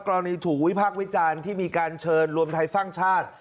กรณีถูกวิพากษ์วิจารณ์ที่มีการเชิญรวมไทยสร้างชาติ